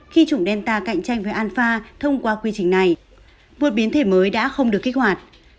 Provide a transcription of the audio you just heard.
khi chủng delta cạnh tranh với alpha thông qua quy trình này một biến thể mới đã không được kích hoạt